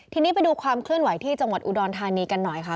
ทีนี้ไปดูความเคลื่อนไหวที่จังหวัดอุดรธานีกันหน่อยค่ะ